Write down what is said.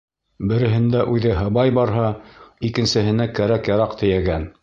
Береһендә үҙе һыбай барһа, икенсеһенә кәрәк-яраҡ тейәгән.